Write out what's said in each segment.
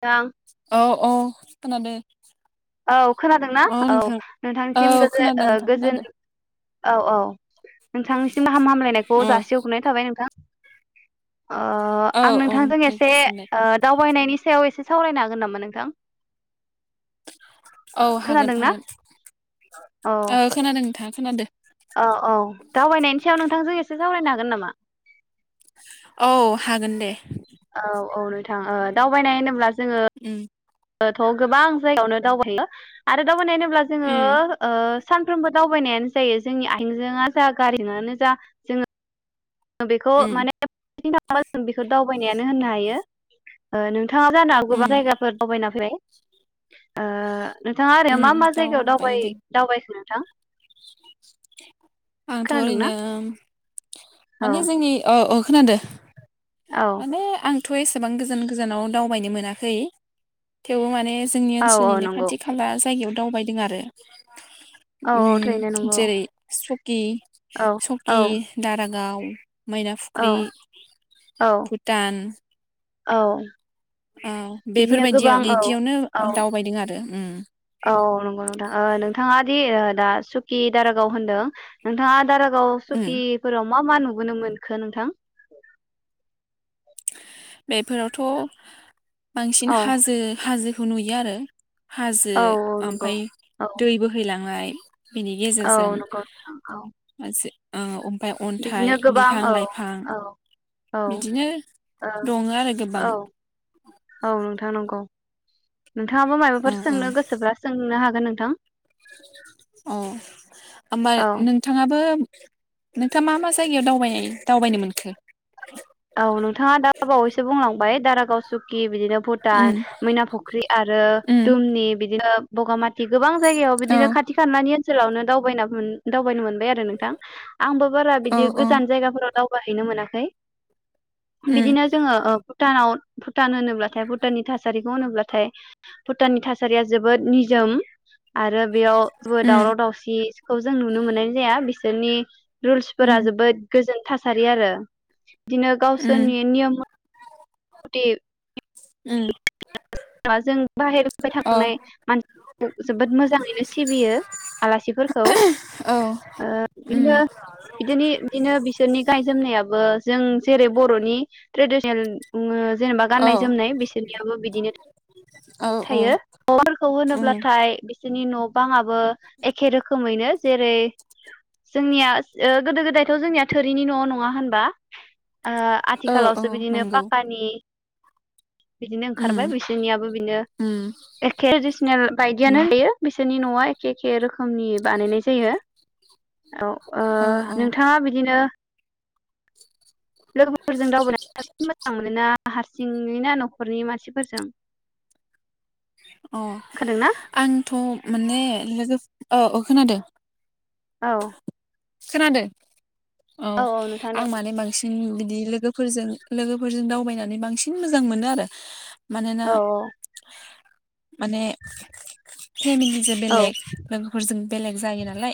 दां अ खोनादों औ खोनादोंना औ औ नोंथांनिसिम गोजोन खोनादों ओ नोंथां गोजोन खोनादों औ औ नोंथांनिसिम गाहाम हामलायनायखौ औ जासि हगोरनाय थाबाय नोंथां ओ औ आं औ नोंथांजों दे एसे गोजोननाय ओ दावबायनायनि सायाव एसे सावरायनो हागोन नामा नोंथां औ हागोन खोनादोंना हागोन औ ओ खोनादों नोंथां खोनादों औ औ दावबायनायनि सायाव नोंथांजों एसे सावरायनो हागोन नामा औ हागोन दे थां ओ दावबायनाय होनोब्ला उम थ गोबां जायगायावनो दावबायो आरो दावबायनाय ब्ला जोंङो उम ओ सानफ्रोमबो दावबायनायानो जायो जोंनि आयजें जा गारि जों जा जोङो बेखौ उम माने [unintelligible] जों बेखौ दावबायनायानो होननो हायो ओ नों नोंथाङा जानो हागौ गोबां उम जायगाफोर दावबायना फैबाय आ नोंथाङा आरो उम मा मा जायगायावाव दावबाय दे दावबायखो थां आंथ ओरैनो औ माने जोंनि ओ ओ खोनादो औ माने आं थ एसेबां गोजान गोजानाव दावबायनो मोनाखै थेवबो माने जोंनि औ औ ओनसोलनिनो नंगौ खाथि खाला जायगायाव दावबायदों आरो औ ओम औ थारैनो नंगौ जेरै सुक औ औ सकि, दारागाव। [inaudible] मैना औ फुख्रि। औ भुटान। औ। औ बिदिनो बेफोर गोबां बायदियाव औ बिदियावनो औ दावबायदों आरो। उम। औ नंगौ नोंथां ओ नोंथाङा दि ओ दा सुकि, दारागाव होनदों नोंथाङा दारा गाव उम सखिफोराव मा मा नुुबोनो मोनखो नोंथां? बेफोरावथ'। बांसिन औ हाजो हाजो नुयो आरो। हाजो औ नंगौ ओमफ्राय औ दै बोहैलांनाय बिनि औ गेजेरजों नंगौ नोंथां औ हाज औ। ओमफ्राय बिदिनो अन्थाइ, गोबां बिफां, औ लाइफां ओ बिदिनो औ दङ आरो गोबां औ औ नोंथां। नंगौ। नोंथाङाबो माबाफोर सोंनो गोसोबा सोंनो हागोन। नोंथां। अ होनबा औ नोंथाङाबो दा मा मा जायगायाव दावबाय दावबायनो मोनखो? औ नोंथाङा दा बावैसो बुंलांबाय दारागाव, सुकि बिदिनो उम भुटान, मैना फुख्रि, आरो उम दुमनि बिदिनो बगा माथि। गोबां जायगायाव औ बिदिनो खाथि खालानि ओनसोलावनो दावबाय दावबायनो मोन बाय आरो नोंथां आंबो बारा औ बिदि औ गोजान जायगाफोराव दावबायहैनो मोनाखै। उम बिदिनो जोङो ओ भुटानाव भुटान होनोब्लाथाय भुटाननि थासारिखौ होनोब्लाथाय भुटाननि थासारिया जोबोद निजोम। आरो बेयावबो उम दावराव दावसिखौ जों नुनो मोननाय जाया। नि रुल्सफोरा उम जोबोद गोजि। थासारि आरो बिदिनो उम गावसोरनि नियम [unintelligible] उम। बा जों बाहेरफ्राय अ थांनाय मानसि जोबोद मोजाङैनो सिबियो आलासिफोरखौ औ ओ उम बिदिनो बिदिनि बिदिनो बिसोरनि गानाय जोमनायाबो जों जेरै बर'नि ट्रेडिसनेल बुङो जेनेबा औ गाननाय जोमनाय बिसोरनियाबो बिदिनो। औ औ थायो [inaudible] खौ उम होनोब्लाथाय नि न' बां आ बो एखे रोखोमैनो जेरै जोंनिया ओ गोदो गोदायथ' जोंनिया थोरिनि न' नङा होनबा। ओ औ औ आथिखालावसो बिदिनो नंगौ पाक्कानि बिदिनो उम ओंखारबाय। नियाबो बिनो उम एखे जिसोनेल उम बायदियानो होयो। बिसोरनि न'आ एखे एखे रो रोखोमनि बानायनाय जायो औ ओ औ औ नोंथाङा बिदिनो लोगोफोरजों दावबायना हारसिं मोजां मोनोना हारसिङै ना न'खरनि मानसिफोरजों अ खोनादोंना आंथ' माने लोगो औ अओ खोनादो औ खोनादों औ आं माने बांसिन बिदि लोगोफोरजों लोगोफोरजों दावबायनानै बांसिन मोजां मोनो आरो मानोना औ माने फेमिलिजो औ बेलेग लोगोफोरजों बेलेग जायो नालाय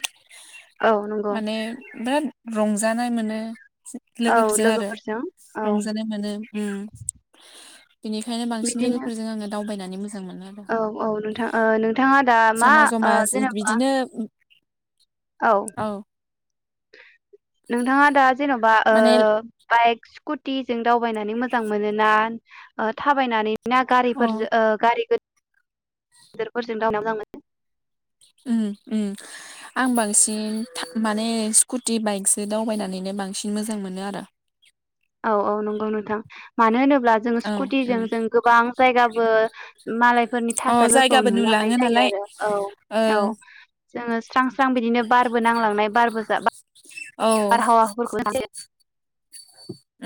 औ नंगौ माने दो रंजानाय मोनो औ लोगोफोरजों आरो औ रंजानाय मोनो उम इनिखायनो बांसिन बिदिनो लोगोफोरजों आङो दावबायना नि मोजां मोनो आरो औ औ नोंथां ओ नोंथाङा दा मा जमा जमा आ जि जेनेबा। बिदिनो औ नोंथाङा दा जेनेबा। माने बाइक स्कुटि जों दावबायनानै मोजां मोनो ना ओ थाबायनानै। ना गारिफोर जो ओ गारि गिदिरफोरजों दावबायनानै मोजां मोनो। उम उम आं बांसिन माने स्कुटि बाइकसो दावबायनानैनो बांसिन मोजां मोनो आरो। औ औ नंगौ नोंथां मानो होनो ब्ला जोङो औ स्कुटिजों उम जों गोबां जायगाबो मालायफोरनि अ थासारिफोरखौ जायगाबो नुनोलांनाय नुलाङो जायो नालाय आरो औ औ। ओं जोङो स्रां स्रां बिदिनो बार बो नांलांनाय बारबो जा औ बारहावा [unintelligible]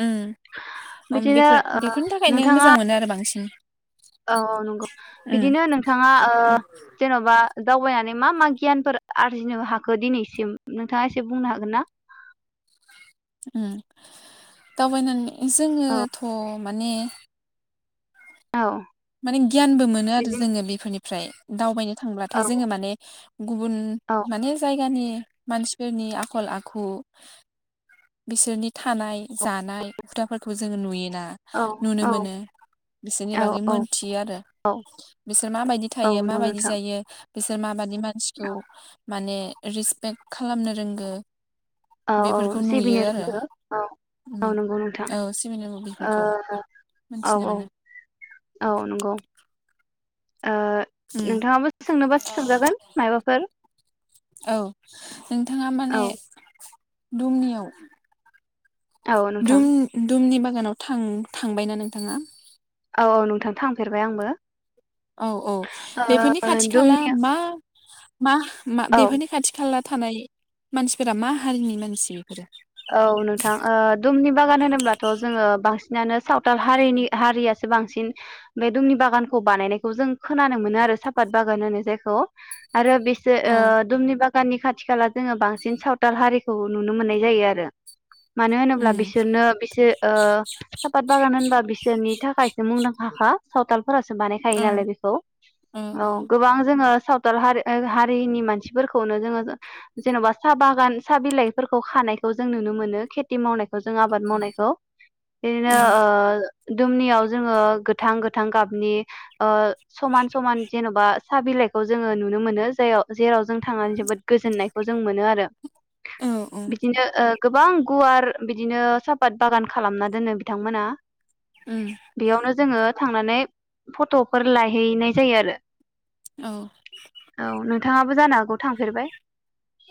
उम उमबिफोर ओ बेफोरनि थाखायनो नोंथाङा मोजां मोनो आरो बांसिन। औ औ नंगौ। उम बिदिनो नोंथाङा ओ उम जेनबा दावबायनानै मा मा गियानफोर आरजिनो हाखो दिनैसिम नोंथाङा एसे बुंनो हागोन ना? उम दावबायनानै औ जोङोथ' माने औ माने गियानबो मोनो आरो बिदिनो जोङो बेफोरनि फ्राय दावबायनो। औ थांब्लाथाय जोङो माने गुबुन औ माने जायगानि मानसिफोरनि आखल आखु बिसोरनि थानाय जानाय हुदाफोरखौबो जोङो नुयो। ना औ नुनो औ मोनो बिसोरनि औ बागै औ मोनथियो आरो औ बिसोर माबायदि औ थायो नंगौ माबायदि नोंथां जायो। बिसोर माबायद नि मानसिखौ माने रिसपेक खालामनो रोंगो। औ औ बेफोरखौ जो नुयो सिबिनो आरो रोंगो औ उम औ नंगौ नोंथां औ सिबिनांगौ ओ बेफोरखौ औ मोनथिनो मोनो औ औ नंगौ। ओ उम नोंथाङाबो सोंनोबा सोंजागोन मायबाफोर? औ नोंथाङा औ माने दुमनियाव औ नोंथां दुम दुमनि मा ओङा नाव थां थांबायना नोंथाङा? औ औ नोंथां थांफेरबाय आंबो। औ औ बेफोरनि ओ खाथि खाला दुमनि मा मा मा औ बेफोरनि खाथि खाला थानाय मानसिफोरा मा हारिनि मानसि? बेफोरो औ नोंथां ओ दुमनि बागान होनोब्लाथ जोङो बांस नानो सावथाल हारिनि हारियासो बांसिन बे दुमनि बागानखौ बानायनायखौ जों खोनानो मोनो आरो सापात बागान होनो जायखौ। आरो बिसोर औ ओ दुमनि बा गाननि खाथि खाला जोङो बांसिन सावथाल हारिखौ नुनो मोननाय जायो आरो। [unintelligible] मानो होनोब्ला उम बिसोरनो बिसोर ओ सापात बागान होनबा बिसोरनि थाख खायसो मुंदांखा खा सावथाल फोरासो बानायखायो औ नालाय बेखौ औ गोबां जोङो सावथाल हार- हारिनि मानसिफोरखौनो जोङो जेन बा साहा बागान साह बिलाइफोरखौ खानाय खौ जों नुनो मोनो खेथि मावनायखौ जों आबाद मावनायखौ बिदिनो ओ दुमनियाव जोङो गोथां गोथां गाबनि ओ समान समान जेन बा साहा बिलाइखौ जोङो नुनो मोनो जायाव जेराव जों थांनानै जोबोद गोजोननायखौ जों मोनो आरो औ औ ओ गोबां गुवार बिदिनो सापात बागान खालामना दोनो बिथांमोना। उम बेयावनो जोङो थांनानै फट फोर लायहैनाय जायो आरो औ थांङाबो जानो हागौ थांफेरबाय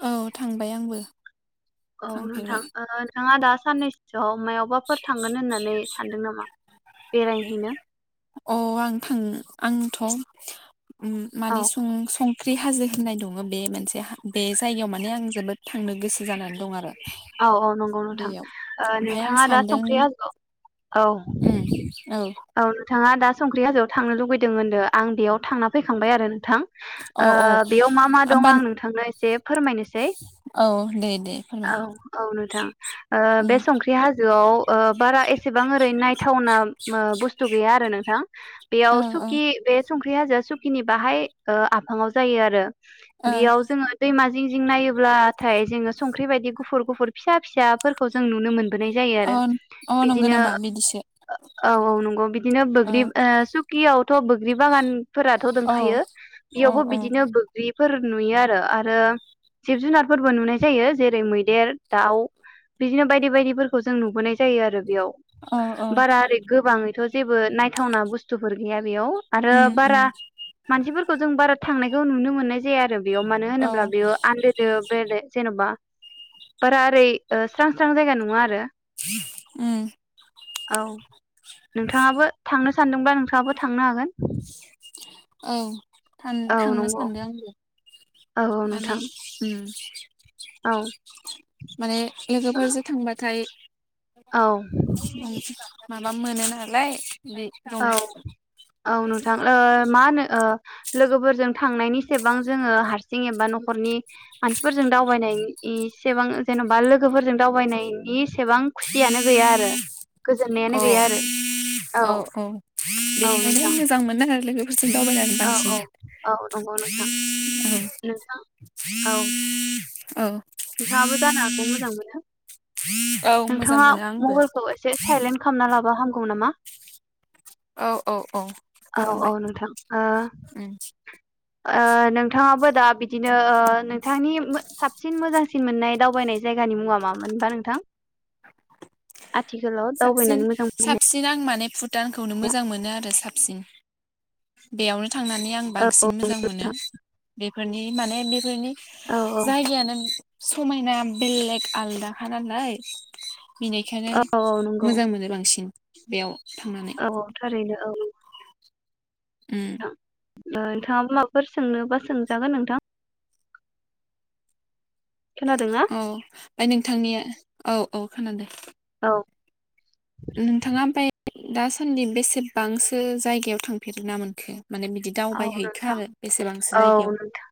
औ थांबाय आंबो औ नोंथां थांफेरबाय ओ नोंथाङा दा साननैसोयाव मायावबाफोर थांगोन होननानै सानदों नामा बेरायहैनो अ आं थां आंथ' उम औ माने सं-सं फुख्रि हाजो होननाय दङ बे मोनसे बे जायगायाव माने आं जोबोद थांनो गोसो जानानै दं आरो औ औ नंगौ बेयाव नोंथां ओमफ्राय आं नोंथाङा दा सानदों संख्रि हाजो ओ उम औ नोंथाङा दा संख्रि हाजोआव थांनो लुुबैदों होनददों आं बेयाव थांना फैखांबाय आरो नोंथां औ औ बेयाव मा मा दं होमबा आं नोंथांनो एसे फोरमायनोसै औ दे दे फोरमाय औ औ नोंथां उम बे संख्रि हाजोआव बारा एसेबां ओरै नायथावना बुस्थु गैया आरो नोंथां औ औ ओ बेयावसखि बे सं ख्रि हाजार सुखिनि बाहाय आफाङाव जायो आरो अ बेयाव जोङो दैमा जिं जिं नायोब्लाथाय जोङो संख्रि बायदि गुफुरखौ गुफुर फिसा फिसाफोरखौ जों नुनो मोन बोनाय जायो आरो अ नंगौ बिदिनो नामा बिदिसो औ औ नंगौ बि बिदिनो औ बग्रि सुखि आव थ' बोग्रि बागान फोरथ' दंखायो औ बेयावबो बिदिनो बोग्रि फोर नुयो आरो आरो जिब जुनारफोरबो नुनाय जायो जेरै मैदेर दाउ बिदिनो बायदि बायदिफोरखौ जों नुबोनाय जायो आरो बेयाव औ औ बारा ओरै गोबाङैथ' जेबो नायथावना बुस्थुफोर गैया बेयाव आरो उम बारा उम मानसिफोरखौ जों बारा थांनायखौ नुनो मोननाय जाया आरो बेयाव मानो औ होनोब्ला बेयो आन्दोदो बेरे जेन'बा बारा ओरै ओ स्रां स्रां जायगा नङा आरो ओम औ नोंथाङाबो थांनो सानदोंबा नोंथाङाबो थांनो हागोन। औ थान औ थांनो नंगौ सानदों आंबो औ औ माने नोंथां उम। औ माने लोगोफोरजों थांबाथाय औ [inaudible] माबा मोनो नालाय बे औ औ नोंथां ओ माहोनो ओ लोगोफोरजों थांनायनि सेबां जोङो हारसिं एबा न' खरनि मानसिफोरजों दावबायनायनि इसेबां जेन'बा लोगोफोरजों दावबायनायनि सेबां खुसियानो गैया आरो। औ गोजोननायानो गैया आरो औ। औ औ बेनिखायनो नोंथां मोजां मोनो आरो लोगो बिथिं दावबायनानै औ औ बांसिन औ नंगौ नोंथां नोंथां औ औ नोंथांङाबो जानो हागौ मोजां मोनो? औ मोजां नोंथांङा मोनो आंबो मबाइलखौ एसे साइलेन्ट खालामना लाबा हाम गौ नामा। औ औ औ औ औ खालामबाय नोंथां ओ उम ओ नोंथाङाबो दा बिदिनो ओ नोंथांनि मो साबसिन मोजांसिन मोननाय दावबायनाय जायगानि मुङा मामोनबा नोंथां? आथिखालाव दावबायनानै मोजां मोननाय। दानखौनो मोजां मोनो आरो साब सिन बेयावनो थांनानै आं औ औ बांसिन मोजां मोनो नोंथां बेफोरनि माने बेफोरनि औ औ जायगायानो समायना बेलेग आलदाखा नालाय। बिनिखायनो। औ औ नंगौ मोजां मोनो बांसिन। बेयाव। थांनानै औ थारैनो औ। उम। नोंथां ओ नोंथाङा माबाफोर सोंनोबा सोंजागोन नोंथां। खोनादोंना औ ओमफाय नोंथांनिया औ। औ खोनादों। औ। नोंथाङा ओमफाय दासान्दि बेसेबांसो जायगायाव थांफेरना मोनखो? माने बिदि औ दावबायहैखो नोंथां आरो बेसेबांसो जायगायाव औ नोंथां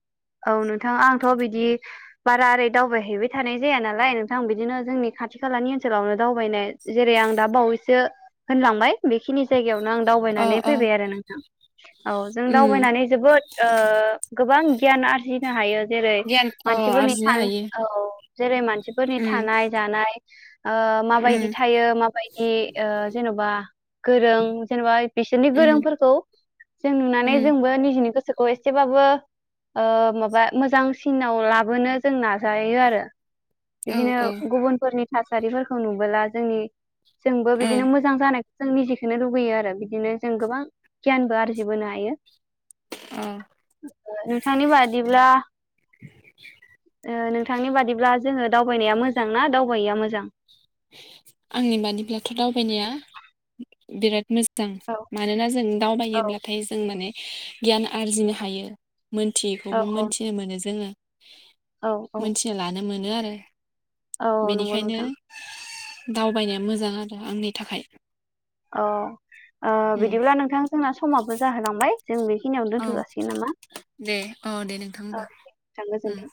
औ नोंथां आंथ' बिदि बारा ओरै दावबायहैबाय थानाय जाया नालाय नोंथां बिदिनो जोंनि खाथि खालानि ओनसोलावनो दावबायनाय जेरै आं दा बावैसो सो होनलांबाय बेखिनि जायगायाव नो आं अ दावबायनानै अ फैबाय आरो नोंथां औ। उम दावबायनानै जोबोद ओ गोब गोबां गियान आरजिनो हायो। जेरै गियान अ मानसिफोरनि आरजिनो सान हायो औ। जेरै मान सिफोरनि उम थानाय जानाय। ओ माबायदि उम थायो माबायदि ओ जेनबा गोरों जेनेबा बिसोरनि उम गोरोंफोरखौ जों नुनानै उम जोंबो निजिनि गोसोखौ एसेबाबो माबा ओ मोजांसिनाव लाबोनो जों नाजायो आरो। औ बिदिनो औ गुबुनफोरनि थासारिफोरखौ नुबोला जोंनि जोंबो बिदिनो ओं मोजां जानाय जों निजिखौ लुबैयो आरो बिदिनो जों गोबां गियानबो आरजिबोनो हायो अ नोंथांनि बादिब्ला ओ नोंथांनि बादिब्ला जोङो। दावबायनाया मोजां ना दावबायिया मोजां? आंनि बादिब्लाथ' दावबायनाया बिराद मोज जां औ मानोना जों औ दावबायोब्लाथाय जों माने गियान आरजिनो हायो। औ मोनथियैखौबो औ मोनथिनो मोनो जोङो। औ औ मिथिया लानो मोन। नो आरो औ नंगौ बेनिखायनो नोंथां। दावबायनाया मोजां आरो आंनि थाखाय अ ओ उम बिदिब्ला नोंथां जोंना समाबो जाहोलांबाय जों बेखिनियावनो औ दोन्थ' जासिगोन नामा दे औ दे नोंथां औ होमबा थां उम गोजोनथों